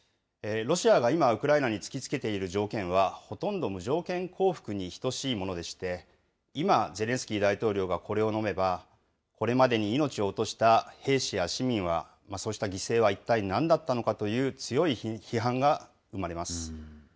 ロシアが今、ウクライナに突きつけている条件は、ほとんど無条件降伏に等しいものでして、今、ゼレンスキー大統領がこれをのめば、これまでに命を落とした兵士や市民は、そうした犠牲は一体なんだったのかという、強い批判が生まれます。